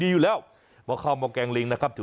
ยืนยันว่าม่อข้าวมาแกงลิงทั้งสองชนิด